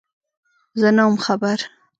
_زه نه وم خبر.